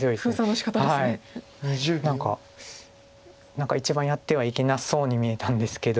何か一番やってはいけなそうに見えたんですけど。